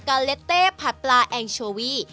เลสเต้ผัดปลาแองโชวี